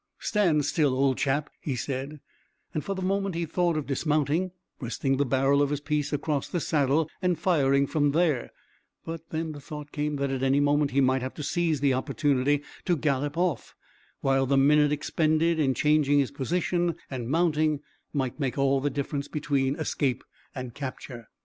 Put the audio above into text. "Stand still, old chap," he said, and for the moment he thought of dismounting, resting the barrel of his piece across the saddle, and firing from there; but the thought came that at any moment he might have to seize the opportunity to gallop off, while the minute expended in changing his position and mounting might make all the difference between escape and capture.